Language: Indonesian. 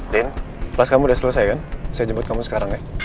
den kelas kamu udah selesai kan saya jemput kamu sekarang ya